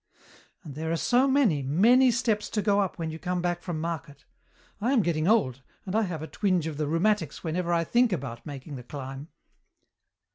"And there are so many, many steps to go up when you come back from market. I am getting old, and I have a twinge of the rheumatics whenever I think about making the climb."